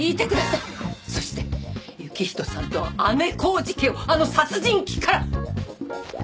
そして行人さんと姉小路家をあの殺人鬼から。